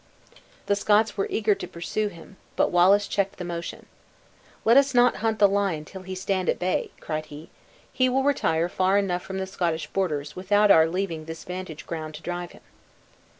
The Scots were eager to pursue him, but Wallace checked the motion. "Let us not hunt the lion till he stand at bay!" cried he. "He will retire far enough from the Scottish borders, without our leaving this vantage ground to drive him."